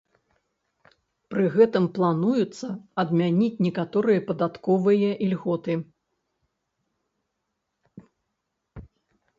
Пры гэтым плануецца адмяніць некаторыя падатковыя ільготы.